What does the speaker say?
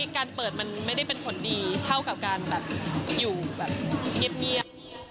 การเปิดมันไม่ได้เป็นผลดีเท่ากับการแบบอยู่แบบเงียบ